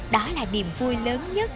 đó là niềm vui lớn nhất